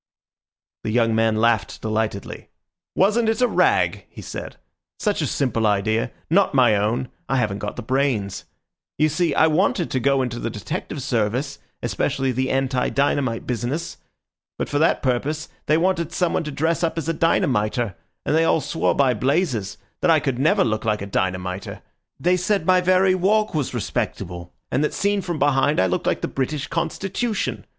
The young man laughed delightedly. "Wasn't it a rag?" he said. "Such a simple idea—not my own. I haven't got the brains. You see, I wanted to go into the detective service, especially the anti dynamite business. But for that purpose they wanted someone to dress up as a dynamiter; and they all swore by blazes that I could never look like a dynamiter. They said my very walk was respectable, and that seen from behind I looked like the British Constitution.